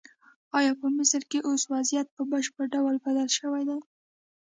ایا په مصر کې اوس وضعیت په بشپړ ډول بدل شوی دی؟